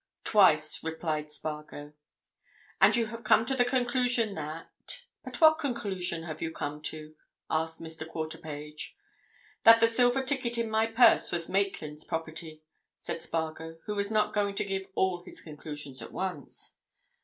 "Twice," replied Spargo. "And you have come to the conclusion that—but what conclusion have you come to?" asked Mr. Quarterpage. "That the silver ticket in my purse was Maitland's property," said Spargo, who was not going to give all his conclusions at once.